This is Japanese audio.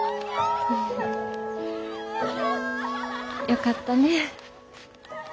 よかったねえ。